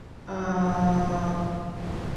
Terima kasih sudah menjelaksan kepada saya